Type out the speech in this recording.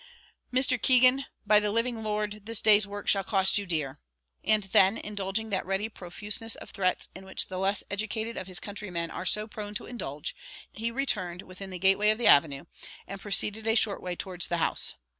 "Mr. Keegan, by the living Lord, this day's work shall cost you dear!" and then, indulging that ready profuseness of threats in which the less educated of his countrymen are so prone to indulge, he returned within the gateway of the avenue, and proceeded a short way towards the house.